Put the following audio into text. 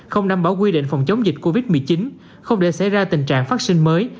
không đảm bảo quy định phòng chống dịch covid một mươi chín không để xảy ra tình trạng phát sinh mới